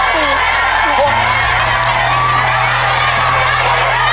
ไปลูกไป